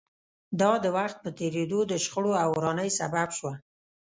دا د وخت په تېرېدو د شخړو او ورانۍ سبب شوه